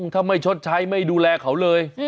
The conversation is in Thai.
ถ้าไม่ชดใช้ไม่ดูแลเขาเลย